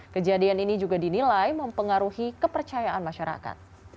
kejadian ini juga dinilai mempengaruhi kepercayaan masyarakat